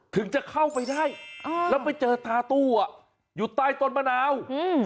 ถึงจะเข้าไปได้แล้วไปเจอตาตู้อ่ะอยู่ใต้ต้นมะนาวอืม